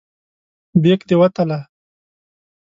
بیک دې وتله.